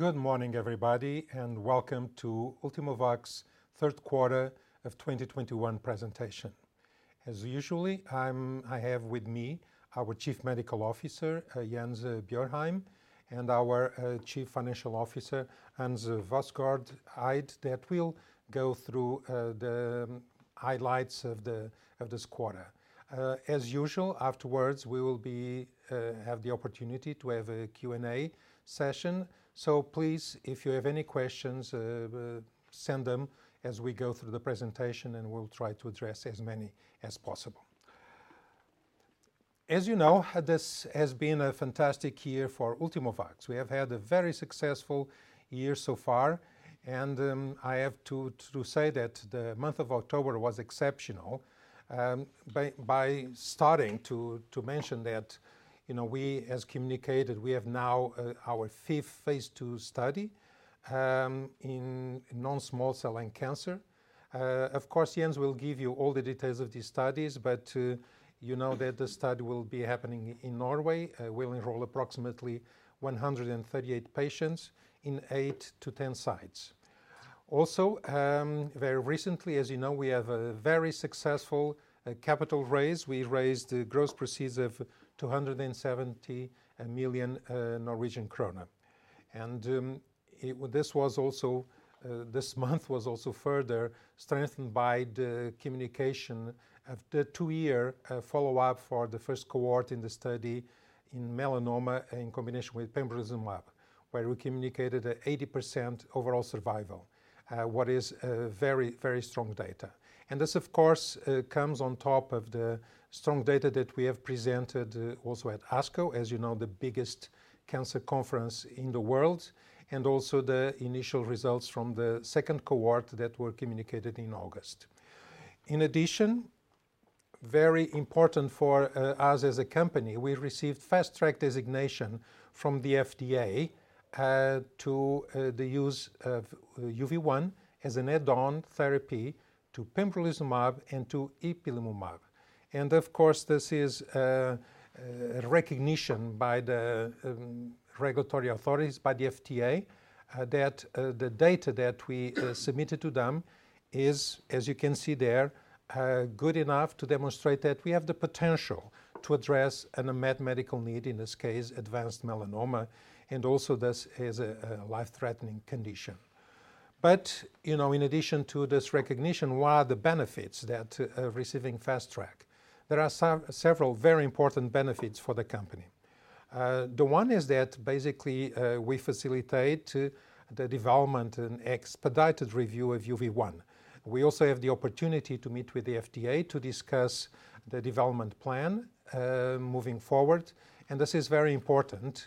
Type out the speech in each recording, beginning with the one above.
Good morning, everybody, and welcome to Ultimovacs third quarter of 2021 presentation. As usual, I have with me our Chief Medical Officer, Jens Bjørheim, and our Chief Financial Officer, Hans Vassgård Eid that will go through the highlights of this quarter. As usual, afterwards, we will have the opportunity to have a Q&A session. So please, if you have any questions, send them as we go through the presentation, and we'll try to address as many as possible. As you know, this has been a fantastic year for Ultimovacs. We have had a very successful year so far, and I have to say that the month of October was exceptional by starting to mention that, you know, we, as communicated, we have now our fifth phase II study in non-small cell lung cancer. Of course, Jens will give you all the details of these studies, but you know that the study will be happening in Norway, will enroll approximately 138 patients in 8-10 sites. Also, very recently, as you know, we have a very successful capital raise. We raised the gross proceeds of 270 million Norwegian krone. This was also this month was also further strengthened by the communication of the two-year follow-up for the first cohort in the study in melanoma in combination with pembrolizumab, where we communicated 80% overall survival, what is very, very strong data. This, of course, comes on top of the strong data that we have presented also at ASCO, as you know, the biggest cancer conference in the world, and also the initial results from the second cohort that were communicated in August. In addition, very important for us as a company, we received Fast Track designation from the FDA to the use of UV1 as an add-on therapy to pembrolizumab and to ipilimumab. Of course, this is a recognition by the regulatory authorities, by the FDA, that the data that we submitted to them is, as you can see there, good enough to demonstrate that we have the potential to address an unmet medical need, in this case, advanced melanoma, and also this is a life-threatening condition. You know, in addition to this recognition, what are the benefits that receiving Fast Track? There are several very important benefits for the company. The one is that basically, we facilitate the development and expedited review of UV1. We also have the opportunity to meet with the FDA to discuss the development plan, moving forward, and this is very important,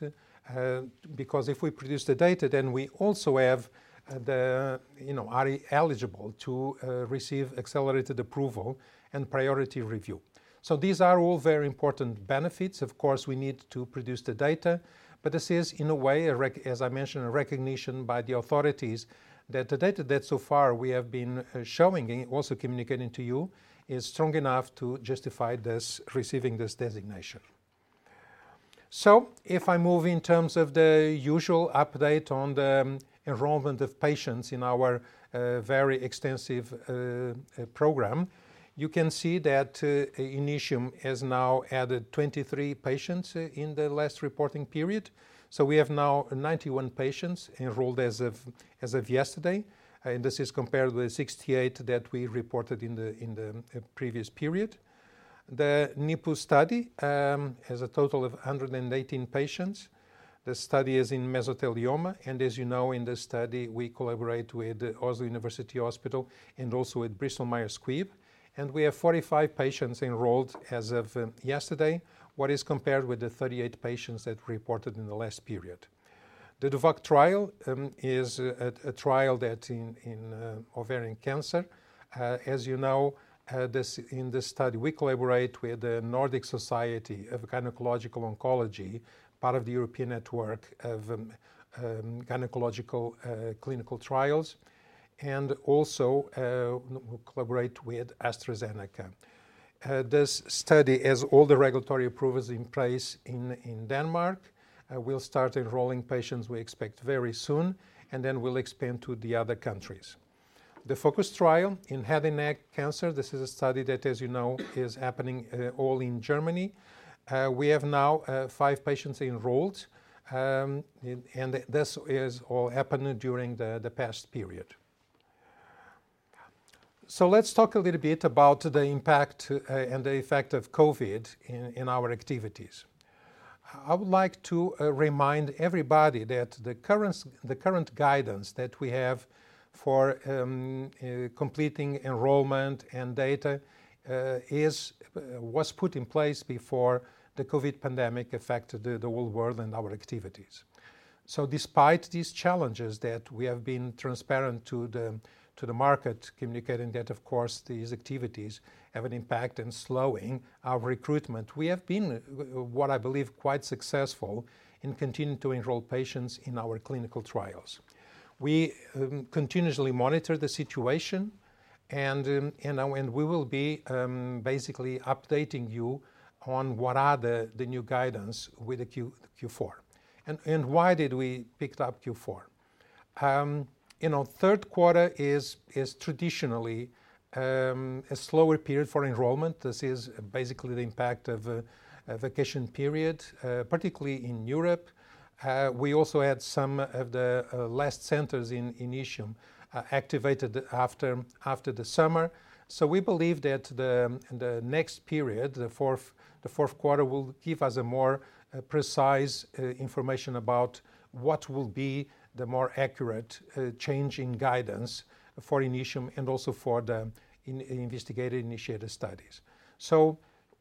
because if we produce the data, then we also have the, you know, are eligible to, receive Accelerated Approval and Priority Review. These are all very important benefits. Of course, we need to produce the data, but this is, in a way, a recognition by the authorities that the data that so far we have been showing and also communicating to you is strong enough to justify this, receiving this designation. If I move in terms of the usual update on the enrollment of patients in our, very extensive, program, you can see that, INITIUM has now added 23 patients in the last reporting period. We have now 91 patients enrolled as of yesterday, and this is compared with 68 that we reported in the previous period. The NIPU study has a total of 118 patients. The study is in mesothelioma, and as you know, in this study we collaborate with Oslo University Hospital and also with Bristol Myers Squibb, and we have 45 patients enrolled as of yesterday, which is compared with the 38 patients that we reported in the last period. The DOVACC trial is a trial in ovarian cancer. As you know, in this study, we collaborate with the Nordic Society of Gynecological Oncology, part of the European Network of Gynecological Oncological Trial Groups, and also we collaborate with AstraZeneca. This study has all the regulatory approvals in place in Denmark. We'll start enrolling patients we expect very soon, and then we'll expand to the other countries. The FOCUS trial in head and neck cancer, this is a study that, as you know, is happening all in Germany. We have now 5 patients enrolled, and this is all happened during the past period. Let's talk a little bit about the impact and the effect of COVID in our activities. I would like to remind everybody that the current guidance that we have for completing enrollment and data was put in place before the COVID pandemic affected the whole world and our activities. Despite these challenges that we have been transparent to the market, communicating that of course these activities have an impact in slowing our recruitment, we have been what I believe quite successful in continuing to enroll patients in our clinical trials. We continuously monitor the situation. Now we will be basically updating you on what are the new guidance with the Q4. Why did we picked up Q4? You know, third quarter is traditionally a slower period for enrollment. This is basically the impact of a vacation period, particularly in Europe. We also had some of the last centers in INITIUM activated after the summer. We believe that the next period, the fourth quarter will give us more precise information about what will be the more accurate change in guidance for INITIUM and also for the investigator-initiated studies.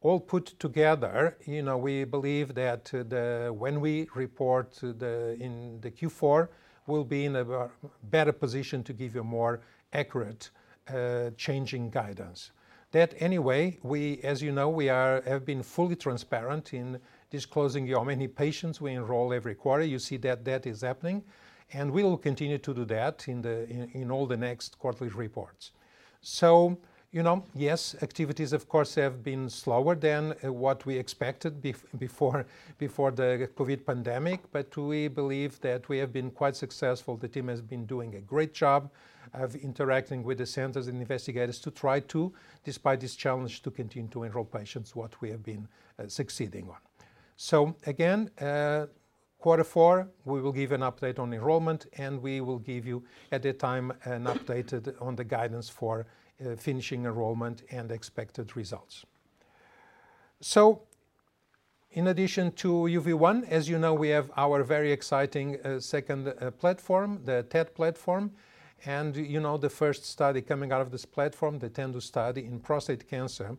All put together, you know, we believe that when we report in the Q4, we'll be in a better position to give you a more accurate changing guidance. That anyway, we, as you know, we have been fully transparent in disclosing how many patients we enroll every quarter. You see that is happening, and we will continue to do that in all the next quarterly reports. You know, yes, activities of course have been slower than what we expected before the COVID pandemic, but we believe that we have been quite successful. The team has been doing a great job of interacting with the centers and investigators to try to, despite this challenge, to continue to enroll patients, what we have been succeeding on. Again, quarter four, we will give an update on enrollment, and we will give you, at the time, an update on the guidance for finishing enrollment and expected results. In addition to UV1, as you know, we have our very exciting second platform, the TET-platform. You know the first study coming out of this platform, the TENDU study in prostate cancer,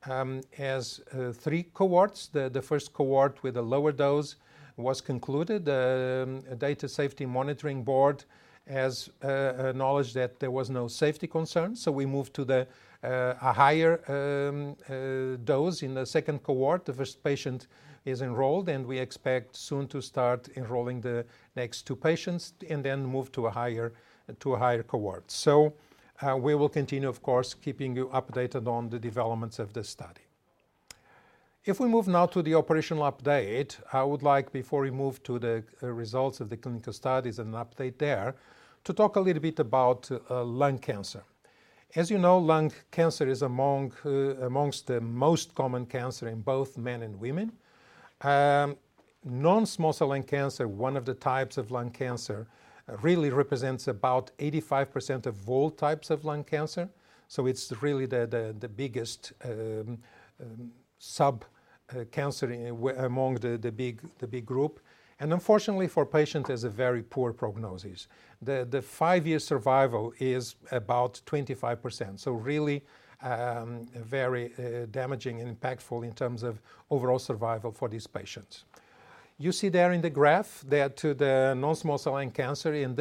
has three cohorts. The first cohort with a lower dose was concluded. A data safety monitoring board has acknowledged that there was no safety concern, so we moved to a higher dose in the second cohort. The first patient is enrolled, and we expect soon to start enrolling the next 2 patients and then move to a higher cohort. We will continue, of course, keeping you updated on the developments of this study. If we move now to the operational update, I would like, before we move to the results of the clinical studies and an update there, to talk a little bit about lung cancer. As you know, lung cancer is among the most common cancer in both men and women. Non-small cell lung cancer, one of the types of lung cancer, really represents about 85% of all types of lung cancer, so it's really the biggest such cancer among the big group. Unfortunately for patients, there's a very poor prognosis. The five-year survival is about 25%, so really, very damaging and impactful in terms of overall survival for these patients. You see there in the graph there to the non-small cell lung cancer, and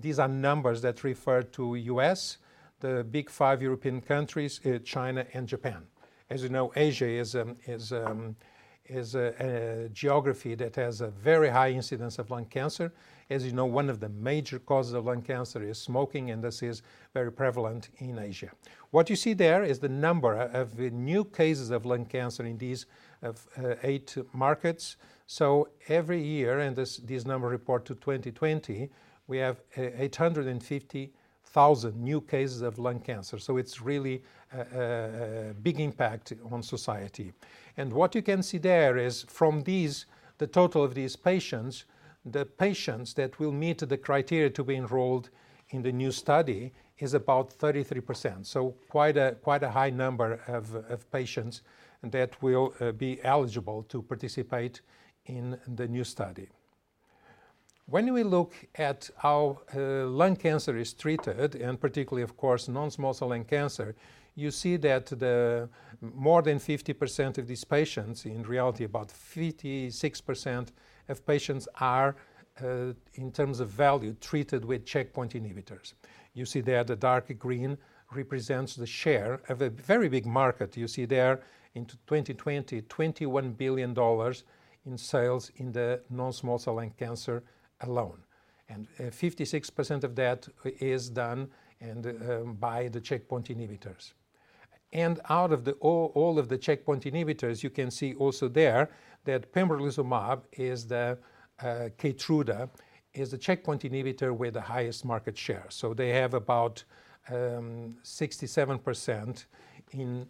these are numbers that refer to U.S., the big five European countries, China, and Japan. As you know, Asia is a geography that has a very high incidence of lung cancer. As you know, one of the major causes of lung cancer is smoking, and this is very prevalent in Asia. What you see there is the number of new cases of lung cancer in these eight markets. Every year, and these numbers refer to 2020, we have 850,000 new cases of lung cancer. It's really a big impact on society. What you can see there is from these patients, the patients that will meet the criteria to be enrolled in the new study is about 33%. Quite a high number of patients that will be eligible to participate in the new study. When we look at how lung cancer is treated, and particularly of course non-small cell lung cancer, you see that more than 50% of these patients, in reality about 56% of patients are, in terms of value, treated with checkpoint inhibitors. You see there the dark green represents the share of a very big market. You see there in 2020, $21 billion in sales in the non-small cell lung cancer alone. 56% of that is done by the checkpoint inhibitors. Out of all of the checkpoint inhibitors, you can see also there that pembrolizumab is the Keytruda, is the checkpoint inhibitor with the highest market share. They have about 67% in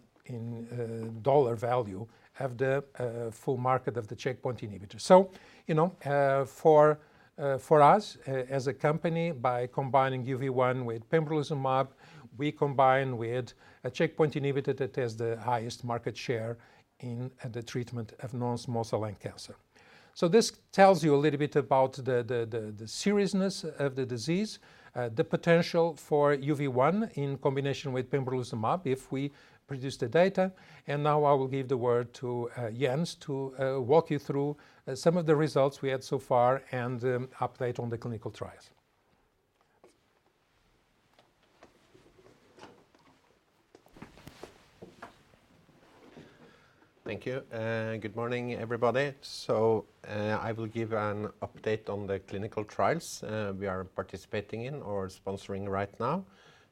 dollar value of the full market of the checkpoint inhibitor. You know, for us as a company, by combining UV1 with pembrolizumab, we combine with a checkpoint inhibitor that has the highest market share in the treatment of non-small cell lung cancer. This tells you a little bit about the seriousness of the disease, the potential for UV1 in combination with pembrolizumab if we produce the data. Now I will give the word to Jens to walk you through some of the results we had so far and update on the clinical trials. Thank you. Good morning, everybody. I will give an update on the clinical trials we are participating in or sponsoring right now,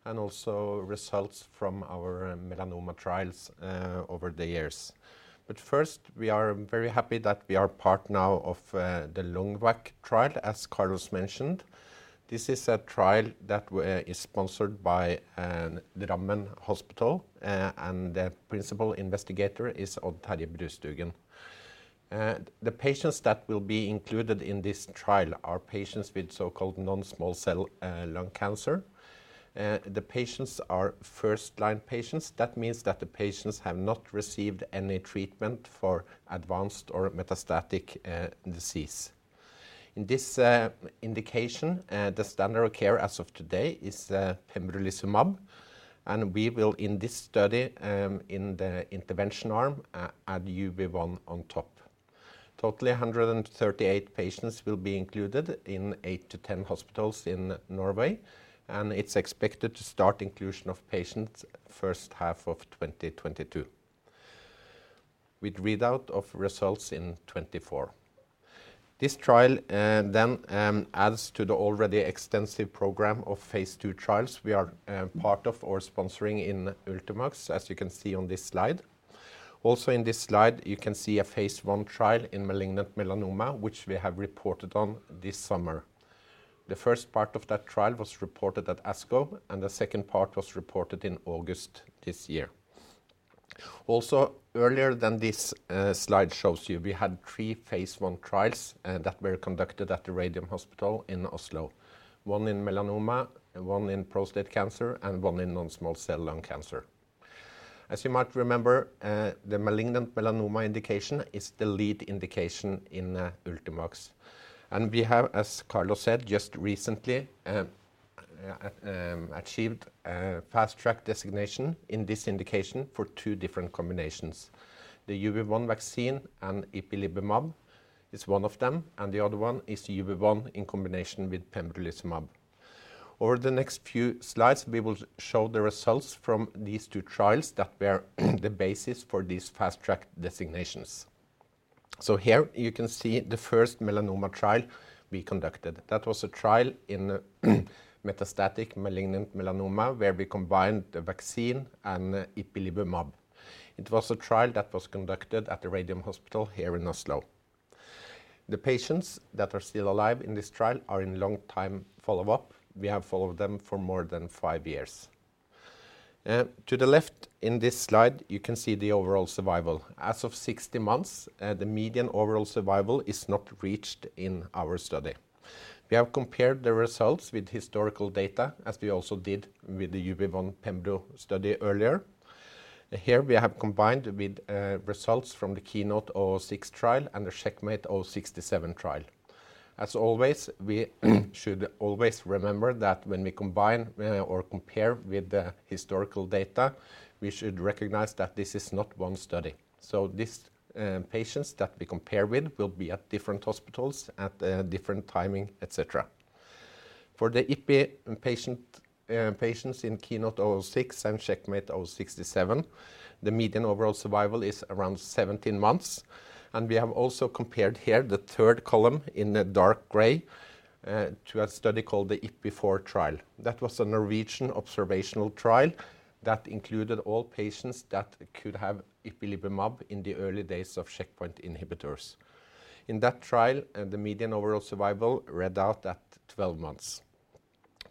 and also results from our melanoma trials over the years. First, we are very happy that we are part now of the LUNGVAC trial, as Carlos mentioned. This is a trial that is sponsored by the Drammen Hospital, and the principal investigator is Terje Brustugun. The patients that will be included in this trial are patients with so-called non-small cell lung cancer. The patients are first-line patients. That means that the patients have not received any treatment for advanced or metastatic disease. In this indication, the standard of care as of today is pembrolizumab, and we will, in this study, in the intervention arm, add UV1 on top. Totally, 138 patients will be included in 8-10 hospitals in Norway, and it's expected to start inclusion of patients first half of 2022, with readout of results in 2024. This trial then adds to the already extensive program of phase II trials we are part of or sponsoring in Ultimovacs, as you can see on this slide. Also in this slide, you can see a phase I trial in malignant melanoma, which we have reported on this summer. The first part of that trial was reported at ASCO, and the second part was reported in August this year. Earlier than this, slide shows you, we had three phase I trials that were conducted at the Radiumhospitalet in Oslo, one in melanoma and one in prostate cancer and one in non-small cell lung cancer. As you might remember, the malignant melanoma indication is the lead indication in Ultimovacs. We have, as Carlos said, just recently achieved a Fast Track designation in this indication for two different combinations. The UV1 vaccine and ipilimumab is one of them, and the other one is UV1 in combination with pembrolizumab. Over the next few slides, we will show the results from these two trials that were the basis for these Fast Track designations. Here you can see the first melanoma trial we conducted. That was a trial in metastatic malignant melanoma, where we combined the vaccine and ipilimumab. It was a trial that was conducted at the Radiumhospitalet here in Oslo. The patients that are still alive in this trial are in long-time follow-up. We have followed them for more than five years. To the left in this slide, you can see the overall survival. As of 60 months, the median overall survival is not reached in our study. We have compared the results with historical data, as we also did with the UV1/pembro study earlier. Here, we have combined with results from the KEYNOTE-006 trial and the CheckMate-067 trial. As always, we should always remember that when we combine or compare with the historical data, we should recognize that this is not one study. These patients that we compare with will be at different hospitals at a different timing, et cetera. For the ipi patients in KEYNOTE-006 and CheckMate 067, the median overall survival is around 17 months. We have also compared here the third column in the dark gray to a study called the Ipi-4 trial. That was a Norwegian observational trial that included all patients that could have ipilimumab in the early days of checkpoint inhibitors. In that trial, the median overall survival read out at 12 months.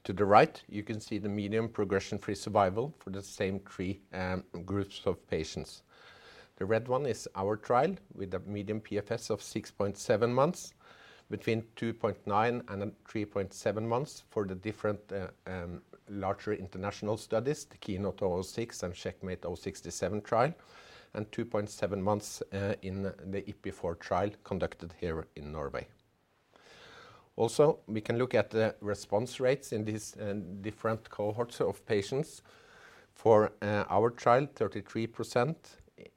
To the right, you can see the median progression-free survival for the same three groups of patients. The red one is our trial with a median PFS of 6.7 months, between 2.9 and 3.7 months for the different larger international studies, the KEYNOTE-006 and CheckMate 067 trial, and 2.7 months in the Ipi-4 trial conducted here in Norway. Also, we can look at the response rates in these different cohorts of patients. For our trial, 33%.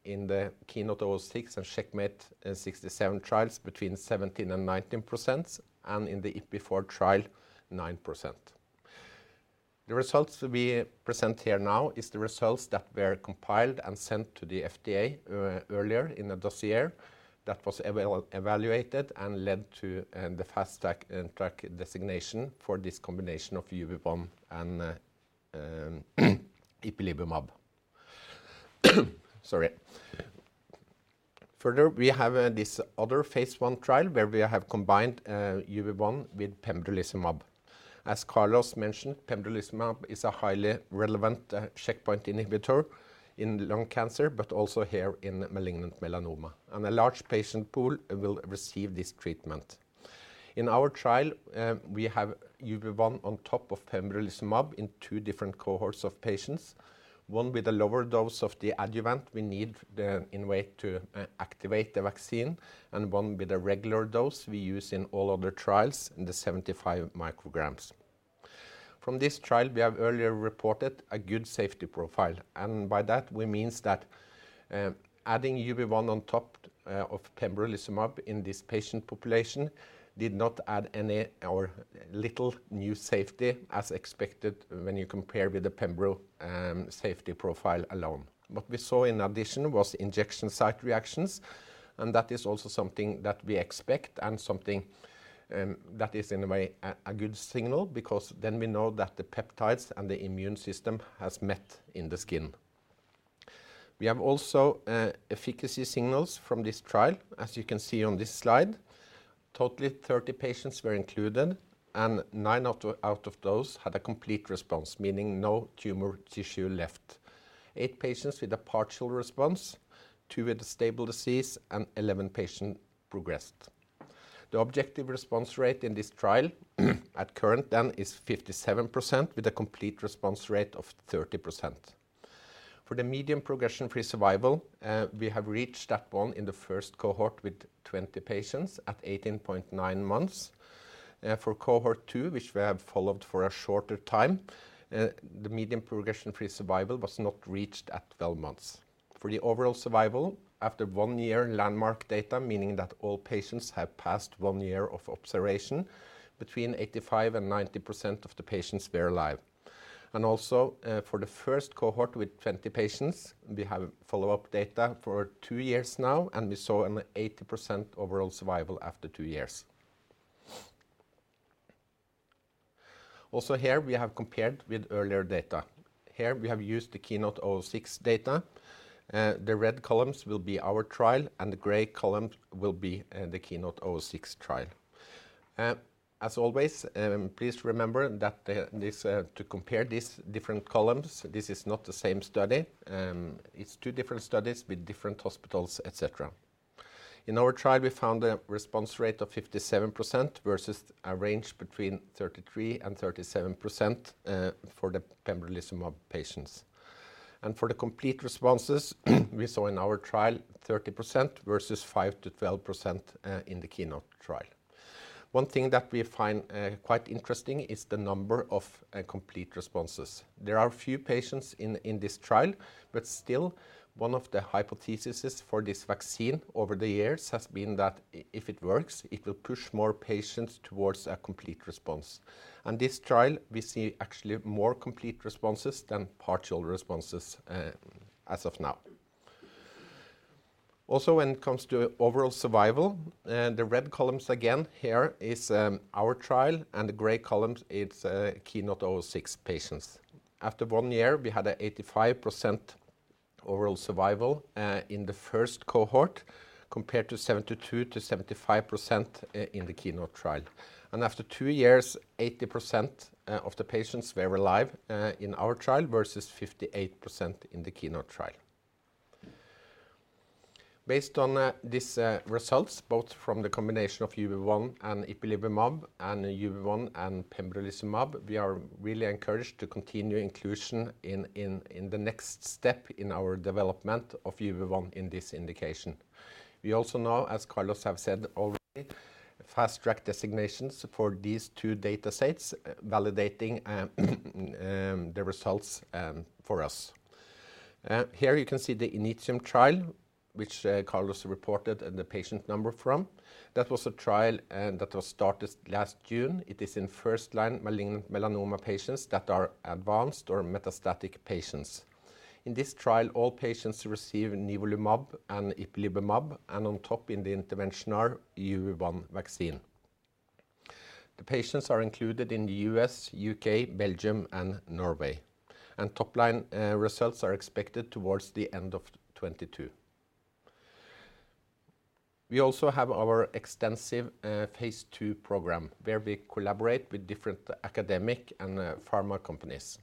In the KEYNOTE-006 and CheckMate 067 trials, between 17% and 19%, and in the Ipi4 trial, 9%. The results we present here now is the results that were compiled and sent to the FDA earlier in a dossier that was evaluated and led to the Fast Track designation for this combination of UV1 and ipilimumab. Sorry. Further, we have this other phase I trial where we have combined UV1 with pembrolizumab. As Carlos mentioned, pembrolizumab is a highly relevant checkpoint inhibitor in lung cancer, but also here in malignant melanoma, and a large patient pool will receive this treatment. In our trial, we have UV1 on top of pembrolizumab in two different cohorts of patients, one with a lower dose of the adjuvant we need to activate the vaccine, and one with a regular dose we use in all other trials in the 75 micrograms. From this trial, we have earlier reported a good safety profile, and by that we mean that, adding UV1 on top of pembrolizumab in this patient population did not add any or little new safety as expected when you compare with the pembro safety profile alone. What we saw in addition was injection site reactions, and that is also something that we expect and something that is in a way a good signal because then we know that the peptides and the immune system has met in the skin. We have also efficacy signals from this trial, as you can see on this slide. Totally 30 patients were included, and 9 out of those had a complete response, meaning no tumor tissue left. 8 patients with a partial response, 2 with a stable disease, and 11 patient progressed. The objective response rate in this trial at current then is 57% with a complete response rate of 30%. For the median progression-free survival, we have reached that one in the first cohort with 20 patients at 18.9 months. For cohort two, which we have followed for a shorter time, the median progression-free survival was not reached at 12 months. For the overall survival, after 1 year landmark data, meaning that all patients have passed 1 year of observation, between 85%-90% of the patients were alive. For the first cohort with 20 patients, we have follow-up data for 2 years now, and we saw an 80% overall survival after 2 years. Also here, we have compared with earlier data. Here we have used the KEYNOTE-006 data. The red columns will be our trial, and the gray column will be the KEYNOTE-006 trial. As always, please remember that this, to compare these different columns, this is not the same study. It's two different studies with different hospitals, et cetera. In our trial, we found a response rate of 57% versus a range between 33%-37% for the pembrolizumab patients. For the complete responses, we saw in our trial 30% versus 5%-12% in the KEYNOTE trial. One thing that we find quite interesting is the number of complete responses. There are few patients in this trial, but still one of the hypotheses for this vaccine over the years has been that if it works, it will push more patients towards a complete response. This trial, we see actually more complete responses than partial responses as of now. Also, when it comes to overall survival, the red columns again, here is our trial, and the gray columns, it's KEYNOTE-006 patients. After one year, we had 85% overall survival in the first cohort, compared to 72%-75% in the KEYNOTE trial. After two years, 80% of the patients were alive in our trial, versus 58% in the KEYNOTE trial. Based on these results, both from the combination of UV1 and ipilimumab and UV1 and pembrolizumab, we are really encouraged to continue inclusion in the next step in our development of UV1 in this indication. We also know, as Carlos have said already, Fast Track designations for these two datasets validating the results for us. Here you can see the INITIUM trial, which Carlos reported the patient number from. That was a trial that was started last June. It is in first-line malignant melanoma patients that are advanced or metastatic patients. In this trial, all patients receive nivolumab and ipilimumab, and on top in the intervention are UV1 vaccine. The patients are included in the U.S., U.K., Belgium, and Norway. Top-line results are expected towards the end of 2022. We also have our extensive phase II program, where we collaborate with different academic and pharma companies.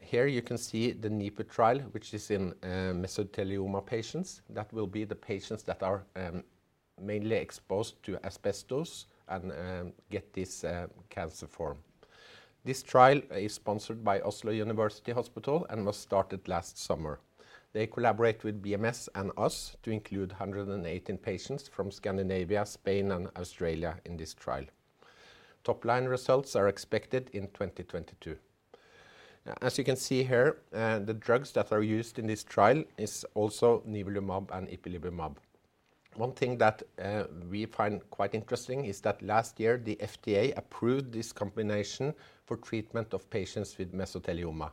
Here you can see the NIPU trial, which is in mesothelioma patients. That will be the patients that are mainly exposed to asbestos and get this cancer form. This trial is sponsored by Oslo University Hospital and was started last summer. They collaborate with BMS and us to include 118 patients from Scandinavia, Spain, and Australia in this trial. Top-line results are expected in 2022. As you can see here, the drugs that are used in this trial is also nivolumab and ipilimumab. One thing that we find quite interesting is that last year, the FDA approved this combination for treatment of patients with mesothelioma,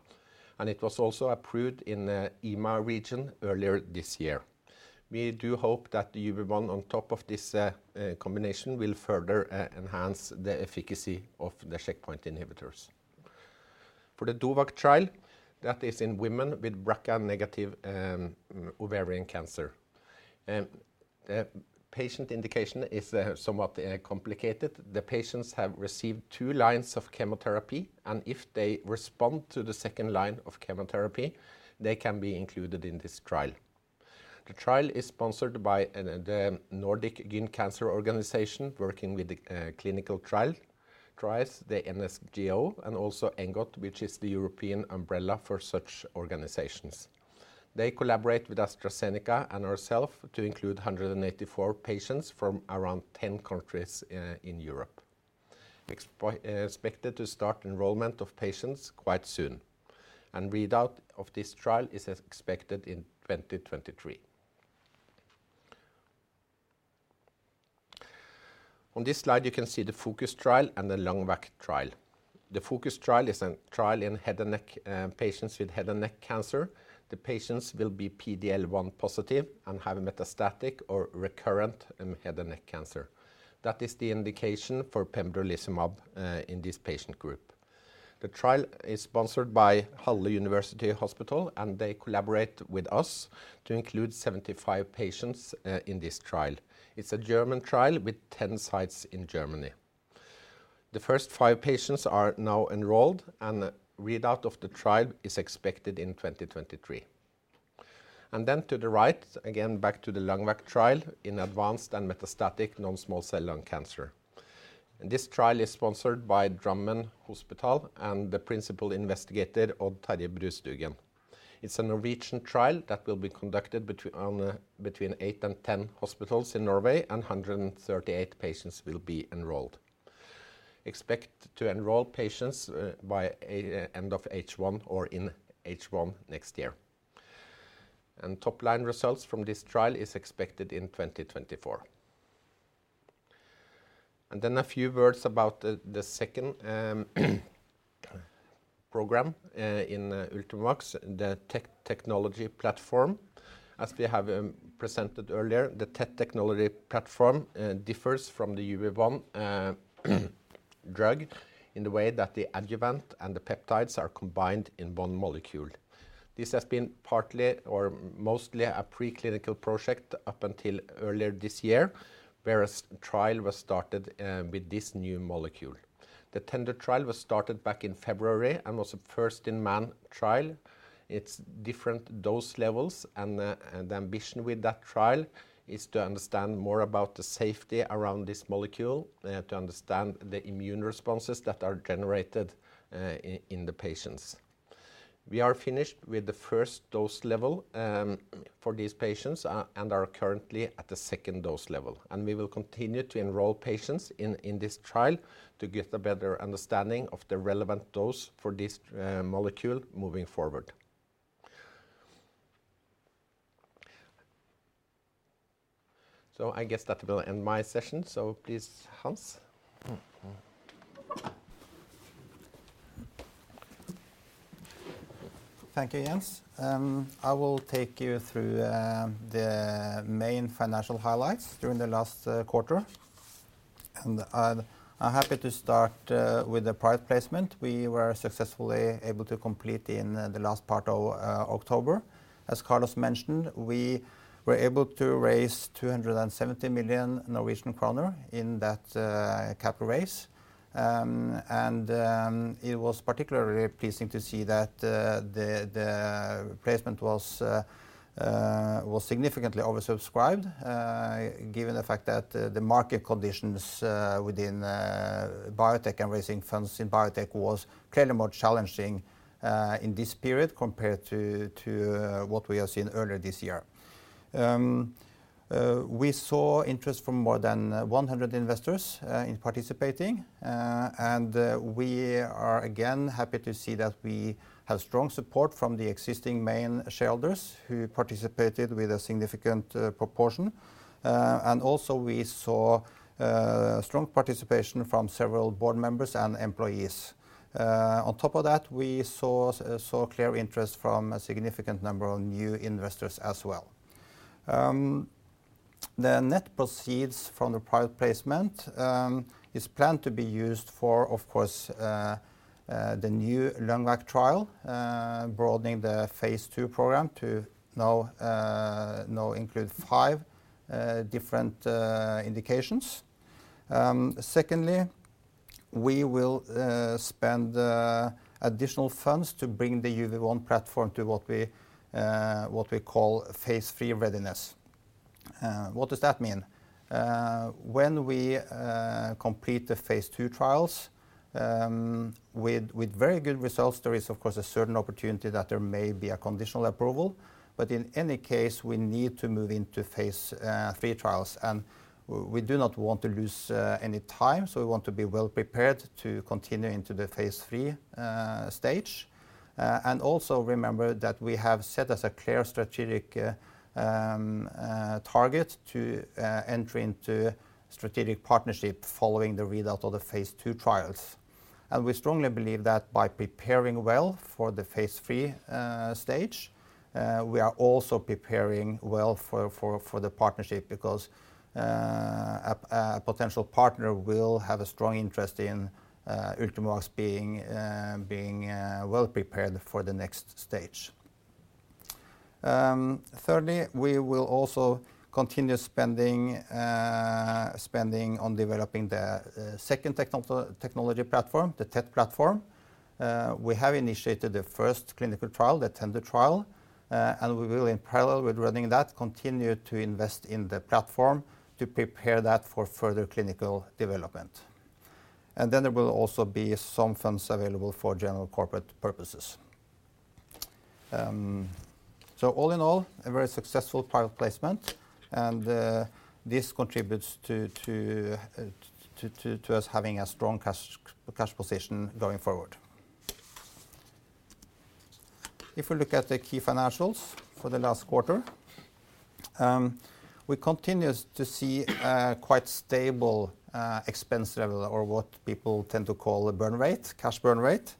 and it was also approved in EMA region earlier this year. We do hope that the UV1 on top of this combination will further enhance the efficacy of the checkpoint inhibitors. For the DOVACC trial, that is in women with BRCA-negative ovarian cancer. The patient indication is somewhat complicated. The patients have received two lines of chemotherapy, and if they respond to the second line of chemotherapy, they can be included in this trial. The trial is sponsored by the Nordic Gyn Cancer Organization working with the clinical trial groups, the NSGO, and also ENGOT, which is the European umbrella for such organizations. They collaborate with AstraZeneca and ourselves to include 184 patients from around 10 countries in Europe. Expected to start enrollment of patients quite soon. Readout of this trial is expected in 2023. On this slide you can see the FOCUS trial and the LUNGVAC trial. The FOCUS trial is a trial in head and neck patients with head and neck cancer. The patients will be PDL1 positive and have metastatic or recurrent in head and neck cancer. That is the indication for pembrolizumab in this patient group. The trial is sponsored by University Medical Center Halle (Saale), and they collaborate with us to include 75 patients in this trial. It's a German trial with 10 sites in Germany. The first 5 patients are now enrolled, and readout of the trial is expected in 2023. To the right, again, back to the LUNGVAC trial in advanced and metastatic non-small cell lung cancer. This trial is sponsored by Drammen Hospital and the principal investigator, Odd Terje Brustugun. It's a Norwegian trial that will be conducted between 8 and 10 hospitals in Norway, and 138 patients will be enrolled. Expect to enroll patients by the end of H1 or in H1 next year. Top-line results from this trial is expected in 2024. Then a few words about the second program in Ultimovacs, the technology platform. As we have presented earlier, the technology platform differs from the UV1 drug in the way that the adjuvant and the peptides are combined in one molecule. This has been partly or mostly a preclinical project up until earlier this year, whereas the trial was started with this new molecule. The TENDU trial was started back in February and was the first-in-man trial. It's different dose levels and the ambition with that trial is to understand more about the safety around this molecule, to understand the immune responses that are generated in the patients. We are finished with the first dose level for these patients and are currently at the second dose level. We will continue to enroll patients in this trial to get a better understanding of the relevant dose for this molecule moving forward. I guess that will end my session. Please, Hans. Thank you, Jens. I will take you through the main financial highlights during the last quarter. I'm happy to start with the private placement we were successfully able to complete in the last part of October. As Carlos mentioned, we were able to raise 270 million Norwegian kroner in that capital raise. It was particularly pleasing to see that the placement was significantly oversubscribed, given the fact that the market conditions within biotech and raising funds in biotech was clearly more challenging in this period compared to what we have seen earlier this year. We saw interest from more than 100 investors in participating. We are again happy to see that we have strong support from the existing main shareholders who participated with a significant proportion. We saw strong participation from several board members and employees. On top of that, we saw clear interest from a significant number of new investors as well. The net proceeds from the private placement is planned to be used for, of course, the new LUNGVAC trial, broadening the phase II program to now include five different indications. Secondly, we will spend additional funds to bring the UV1 platform to what we call phase III readiness. What does that mean? When we complete the phase II trials with very good results, there is of course a certain opportunity that there may be a conditional approval. In any case, we need to move into phase III trials, and we do not want to lose any time. We want to be well prepared to continue into the phase III stage. Remember that we have set a clear strategic target to enter into strategic partnership following the readout of the phase II trials. We strongly believe that by preparing well for the phase III stage, we are also preparing well for the partnership because a potential partner will have a strong interest in Ultimovacs being well prepared for the next stage. Thirdly, we will also continue spending on developing the second technology platform, the TET-platform. We have initiated the first clinical trial, the TENDU trial, and we will in parallel with running that, continue to invest in the platform to prepare that for further clinical development. Then there will also be some funds available for general corporate purposes. So all in all, a very successful private placement, and this contributes to us having a strong cash position going forward. If we look at the key financials for the last quarter, we continue to see a quite stable expense level or what people tend to call a burn rate, cash burn rate.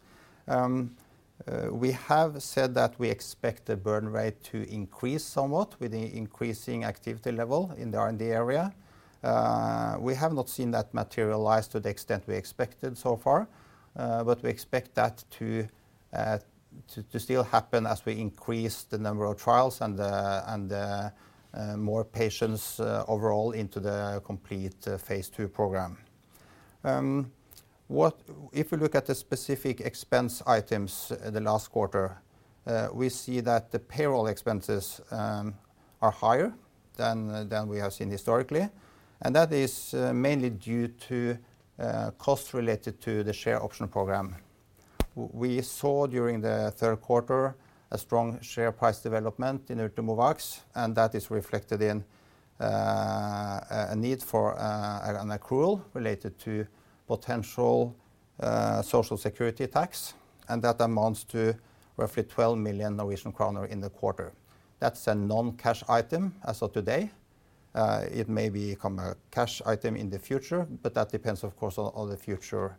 We have said that we expect the burn rate to increase somewhat with the increasing activity level in the R&D area. We have not seen that materialize to the extent we expected so far, but we expect that to still happen as we increase the number of trials and the more patients overall into the complete phase II program. If we look at the specific expense items the last quarter, we see that the payroll expenses are higher than we have seen historically. That is mainly due to costs related to the share option program. We saw during the third quarter a strong share price development in Ultimovacs, and that is reflected in a need for an accrual related to potential social security tax. That amounts to roughly 12 million Norwegian kroner in the quarter. That's a non-cash item as of today. It may become a cash item in the future, but that depends, of course, on the future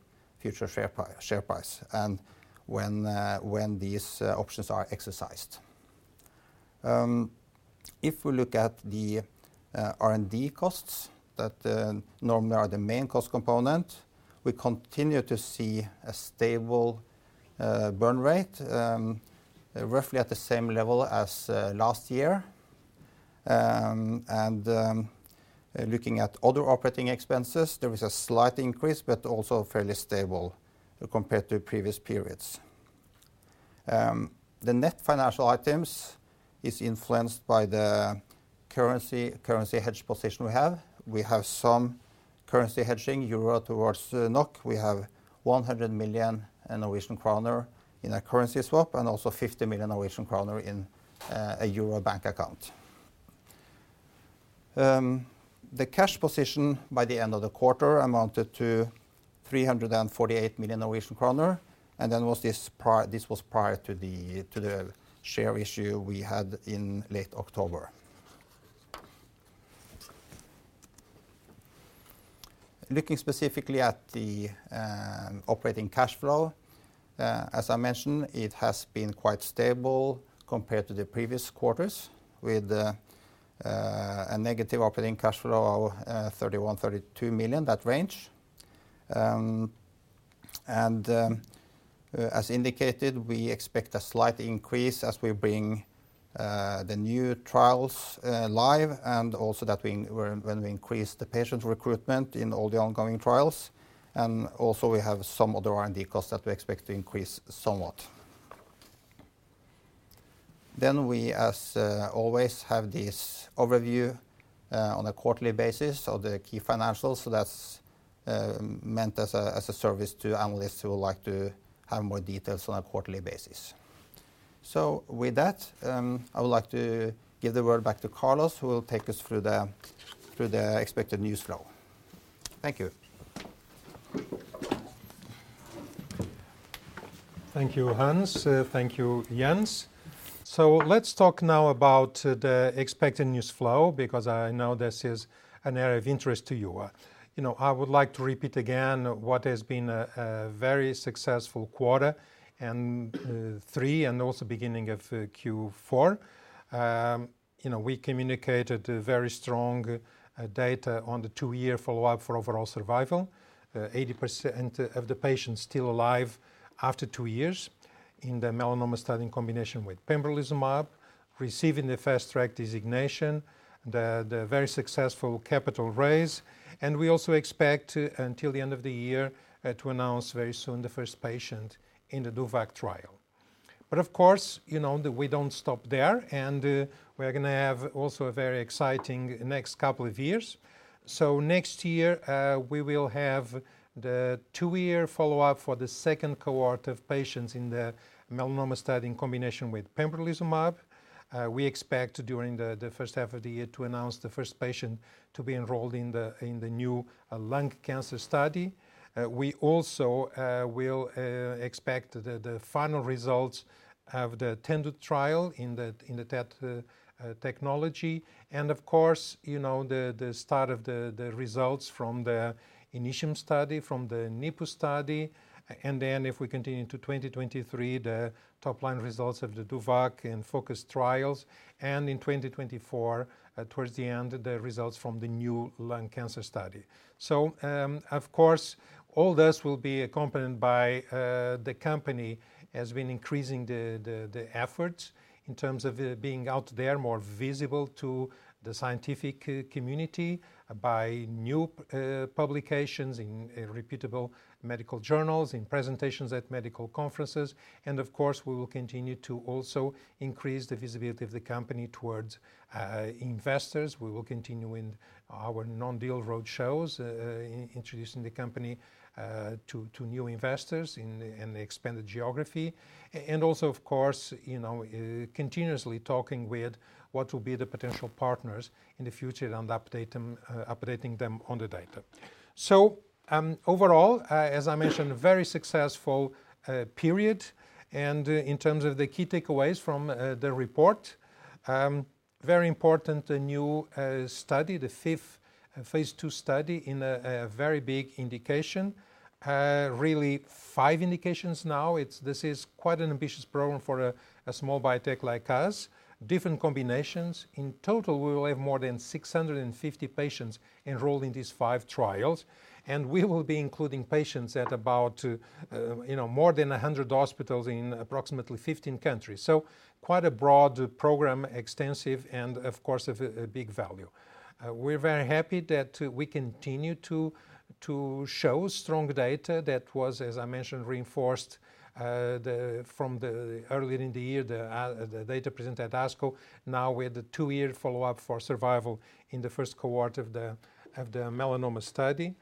share price and when these options are exercised. If we look at the R&D costs that normally are the main cost component, we continue to see a stable burn rate, roughly at the same level as last year. Looking at other operating expenses, there is a slight increase, but also fairly stable compared to previous periods. The net financial items is influenced by the currency hedge position we have. We have some currency hedging euro towards NOK. We have 100 million in Norwegian kroner in a currency swap and also 50 million Norwegian kroner in a euro bank account. The cash position by the end of the quarter amounted to 348 million Norwegian kroner, and this was prior to the share issue we had in late October. Looking specifically at the operating cash flow, as I mentioned, it has been quite stable compared to the previous quarters with a negative operating cash flow of 31 million-32 million, that range. As indicated, we expect a slight increase as we bring the new trials live and also when we increase the patient recruitment in all the ongoing trials. We also have some other R&D costs that we expect to increase somewhat. We, as always, have this overview on a quarterly basis of the key financials. That's meant as a service to analysts who would like to have more details on a quarterly basis. With that, I would like to give the word back to Carlos, who will take us through the expected news flow. Thank you. Thank you, Hans. Thank you, Jens. Let's talk now about the expected news flow because I know this is an area of interest to you. You know, I would like to repeat again what has been a very successful Q3 and also beginning of Q4. You know, we communicated very strong data on the two-year follow-up for overall survival. 80% of the patients still alive after two years in the melanoma study in combination with pembrolizumab, receiving the Fast Track designation, the very successful capital raise. We also expect until the end of the year to announce very soon the first patient in the DOVACC trial. Of course, you know, we don't stop there, and we are gonna have also a very exciting next couple of years. Next year, we will have the two-year follow-up for the second cohort of patients in the melanoma study in combination with pembrolizumab. We expect during the first half of the year to announce the first patient to be enrolled in the new lung cancer study. We also will expect the final results of the TENDU trial in the TET technology. Of course, you know, the start of the results from the INITIUM study, from the NIPU study. Then if we continue into 2023, the top line results of the DOVACC and FOCUS trials. In 2024, towards the end, the results from the new lung cancer study. Of course all this will be accompanied by the company has been increasing the efforts in terms of being out there more visible to the scientific community by new publications in reputable medical journals, in presentations at medical conferences. Of course, we will continue to also increase the visibility of the company towards investors. We will continue in our non-deal roadshows, introducing the company to new investors in the expanded geography. Also, of course, you know, continuously talking with what will be the potential partners in the future and updating them on the data. Overall, as I mentioned, very successful period. In terms of the key takeaways from the report, very important a new study, the fifth phase II study in a very big indication. Really five indications now. This is quite an ambitious program for a small biotech like us. Different combinations. In total, we will have more than 650 patients enrolled in these five trials, and we will be including patients at about more than 100 hospitals in approximately 15 countries. Quite a broad program, extensive, and of course of a big value. We're very happy that we continue to show strong data that was, as I mentioned, reinforced the data from earlier in the year presented at ASCO. Now with the two-year follow-up for survival in the first cohort of the melanoma study.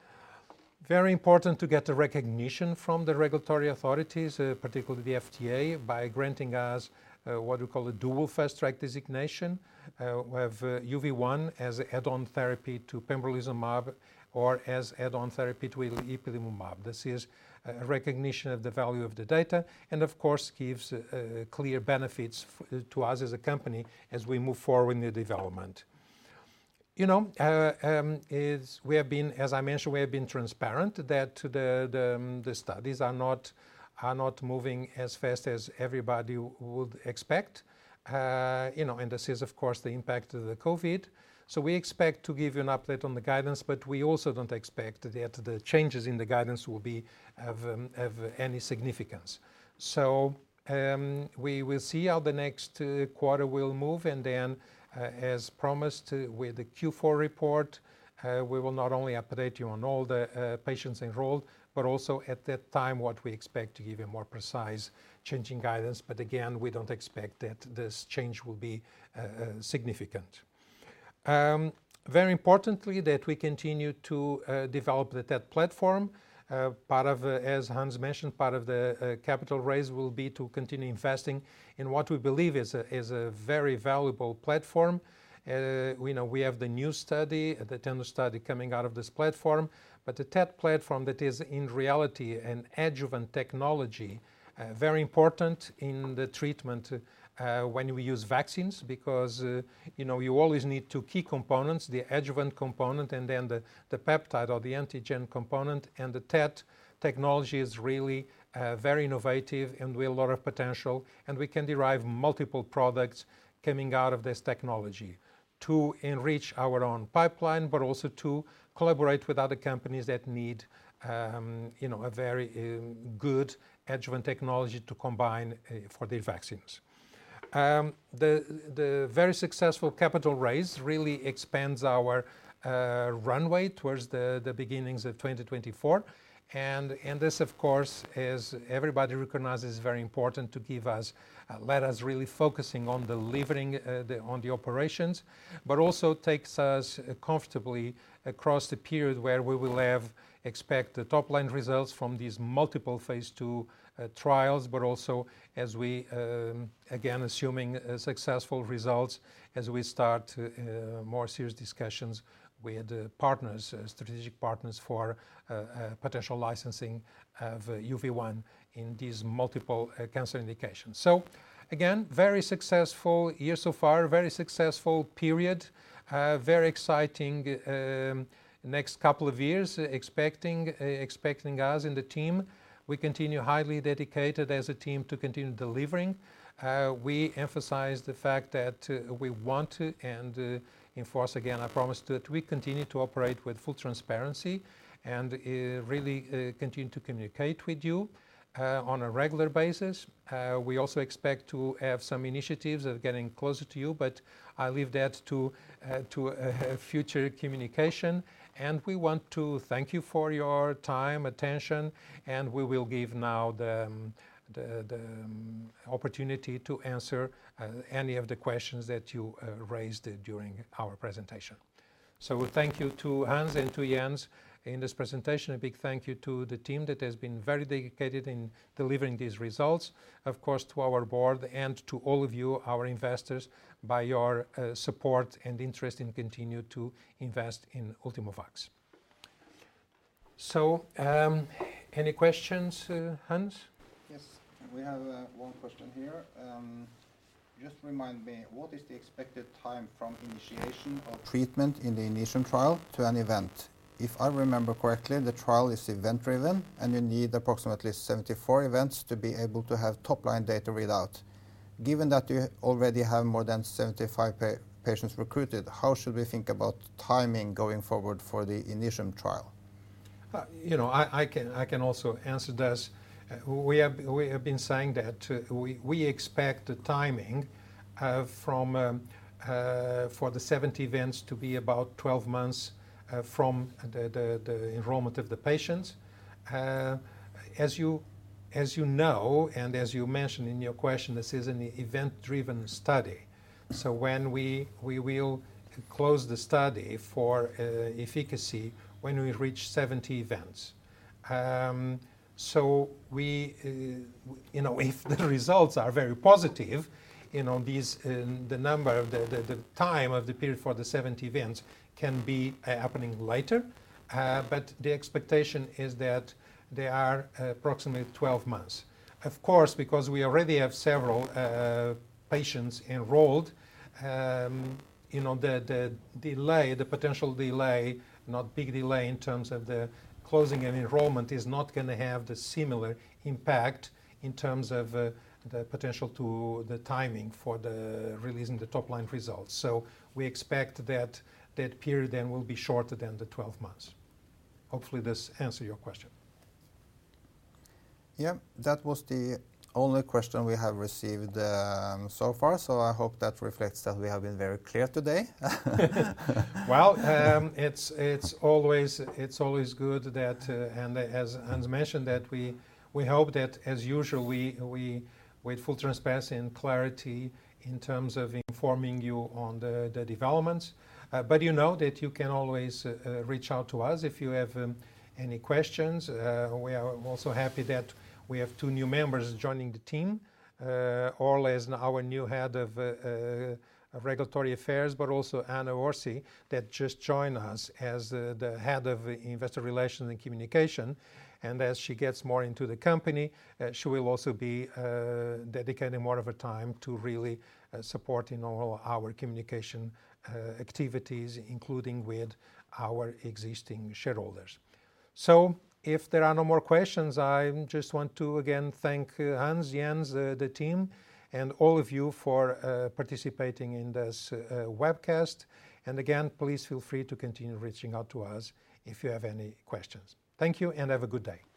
Very important to get the recognition from the regulatory authorities, particularly the FDA, by granting us what we call a dual Fast Track designation. We have UV1 as add-on therapy to pembrolizumab or as add-on therapy to ipilimumab. This is a recognition of the value of the data and of course gives clear benefits to us as a company as we move forward in the development. We have been, as I mentioned, transparent that the studies are not moving as fast as everybody would expect. This is of course the impact of the COVID. We expect to give you an update on the guidance, but we also don't expect that the changes in the guidance will have any significance. We will see how the next quarter will move. As promised with the Q4 report, we will not only update you on all the patients enrolled, but also at that time what we expect to give a more precise change in guidance. Again, we don't expect that this change will be significant. Very importantly that we continue to develop the TET-platform. Part of, as Hans mentioned, the capital raise will be to continue investing in what we believe is a very valuable platform. We know we have the new study, the TENDU study coming out of this platform. The TET-platform that is in reality an adjuvant technology, very important in the treatment, when we use vaccines because, you know, you always need two key components, the adjuvant component and then the peptide or the antigen component. The TET-platform technology is really, very innovative and with a lot of potential, and we can derive multiple products coming out of this technology to enrich our own pipeline, but also to collaborate with other companies that need, you know, a very good adjuvant technology to combine, for the vaccines. The very successful capital raise really expands our runway towards the beginnings of 2024. This of course is everybody recognizes it's very important to give us let us really focusing on delivering on the operations, but also takes us comfortably across the period where we will have expected top-line results from these multiple phase II trials, but also as we again assuming successful results as we start more serious discussions with partners strategic partners for potential licensing of UV1 in these multiple cancer indications. Again, very successful year so far. Very successful period. Very exciting next couple of years expecting us and the team. We continue highly dedicated as a team to continue delivering. We emphasize the fact that we want to and enforce again our promise that we continue to operate with full transparency and really continue to communicate with you on a regular basis. We also expect to have some initiatives of getting closer to you, but I'll leave that to a future communication. We want to thank you for your time, attention, and we will give now the opportunity to answer any of the questions that you raised during our presentation. Thank you to Hans and to Jens in this presentation. A big thank you to the team that has been very dedicated in delivering these results. Of course, to our board and to all of you, our investors, by your support and interest in continue to invest in Ultimovacs. Any questions, Hans? Yes, we have one question here. Just remind me, what is the expected time from initiation of treatment in the INITIUM trial to an event? If I remember correctly, the trial is event-driven, and you need approximately 74 events to be able to have top-line data readout. Given that you already have more than 75 patients recruited, how should we think about timing going forward for the INITIUM trial? You know, I can also answer this. We have been saying that we expect the timing for the 70 events to be about 12 months from the enrollment of the patients. As you know, and as you mentioned in your question, this is an event-driven study. When we will close the study for efficacy when we reach 70 events. You know, if the results are very positive, you know, these and the number of the time of the period for the 70 events can be happening later. The expectation is that they are approximately 12 months. Of course, because we already have several patients enrolled, you know, the potential delay, not a big delay in terms of the closing and enrollment is not gonna have the similar impact in terms of the potential impact on the timing for releasing the top-line results. We expect that period then will be shorter than the 12 months. Hopefully, this answers your question. Yeah. That was the only question we have received, so far, so I hope that reflects that we have been very clear today. Well, it's always good that as Hans mentioned, that we hope that as usual we with full transparency and clarity in terms of informing you on the developments. You know that you can always reach out to us if you have any questions. We are also happy that we have two new members joining the team, Orla as our new Head of Regulatory Affairs, but also Anne Worsøe that just joined us as the Head of Investor Relations and Communication. As she gets more into the company, she will also be dedicating more of her time to really supporting all our communication activities, including with our existing shareholders. If there are no more questions, I just want to again thank Hans, Jens, the team and all of you for participating in this webcast. Again, please feel free to continue reaching out to us if you have any questions. Thank you and have a good day.